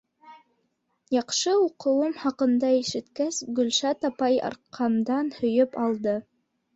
Яҡшы уҡыуым хаҡында ишеткәс, Гөлшат апай арҡамдан һөйөп алды.